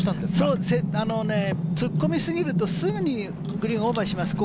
突っ込みすぎるとすぐにグリーンをオーバーします。